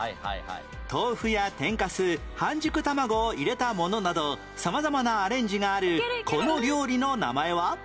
豆腐や天かす半熟卵を入れたものなど様々なアレンジがあるこの料理の名前は？